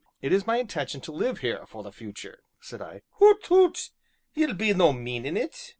"It is my intention to live here, for the future," said I. "Hoot toot! ye'll be no meanin' it?"